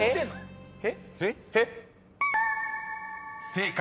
［正解。